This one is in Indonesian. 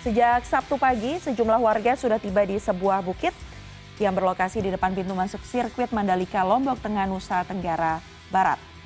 sejak sabtu pagi sejumlah warga sudah tiba di sebuah bukit yang berlokasi di depan pintu masuk sirkuit mandalika lombok tengah nusa tenggara barat